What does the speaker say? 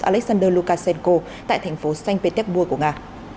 alexander lukashenko tại thành phố sanh petech bua của nga